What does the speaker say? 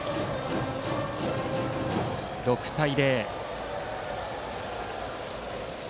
６対０。